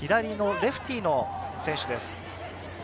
レフティーの選手です。